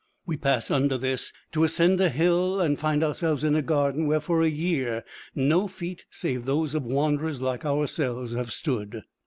We pass under this, ascend a hill, and find ourselves in a garden where for a year no feet save those of wanderers like ourselves have stood.